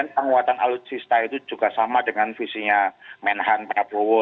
penguatan alutsista itu juga sama dengan visinya menhan prabowo